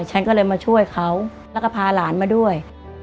ฉันก็เลยมาช่วยเขาแล้วก็พาหลานมาด้วย